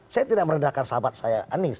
saya tidak merendahkan sahabat saya anies